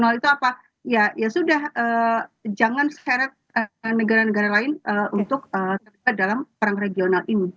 nol itu apa ya ya sudah jangan seret negara negara lain untuk terlibat dalam perang regional ini